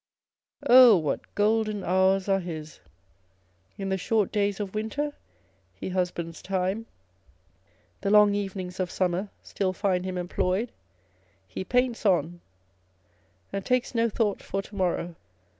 Oh! what golden hours are his! In the short days of winter he husbands time; the long evenings of summer still find him employed ! He paints on, and takes no thought for to morrow.